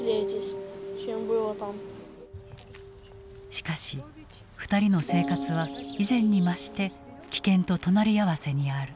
しかし２人の生活は以前に増して危険と隣り合わせにある。